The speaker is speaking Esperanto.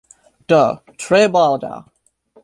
Do, tre baldaŭ